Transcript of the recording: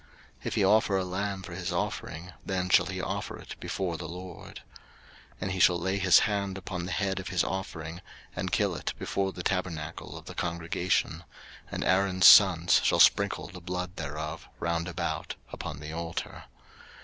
03:003:007 If he offer a lamb for his offering, then shall he offer it before the LORD. 03:003:008 And he shall lay his hand upon the head of his offering, and kill it before the tabernacle of the congregation: and Aaron's sons shall sprinkle the blood thereof round about upon the altar.